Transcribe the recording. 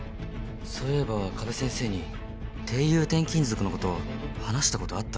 そういえば加部先生に低融点金属のこと話したことあったな。